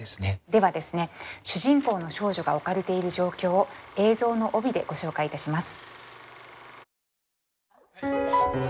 ではですね主人公の少女が置かれている状況を映像の帯でご紹介いたします。